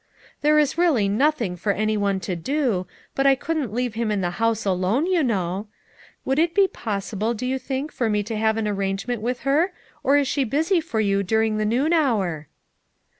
There is really nothing for any one to do, but I couldn't leave him in the house alone, you know. Would it be possible do you think for me to make an arrangement with her, or is she busy for you during the noon hour?"